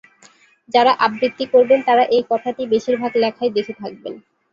যারা আবৃত্তি করবেন তারা এই কথাটি বেশির ভাগ লেখায় দেখে থাকবেন।